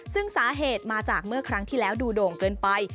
ซึ่งสาเหตุมาจากเมื่อครั้งที่แล้วดูโด่งเกินไป